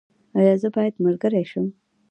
ایا زه باید ملګری شم؟